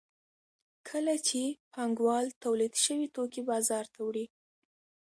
کله چې پانګوال تولید شوي توکي بازار ته وړي